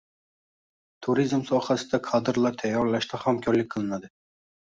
Turizm sohasida kadrlar tayyorlashda hamkorlik qilinadi